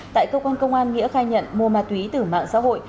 tại cơ quan công an nghĩa khai nhận mua ma túy từ mạng xã hội